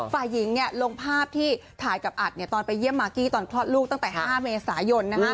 ฝ่ายหญิงลงภาพที่ถ่ายกับอัดตอนไปเยี่ยมมากกี้ตอนคลอดลูกตั้งแต่๕เมษายน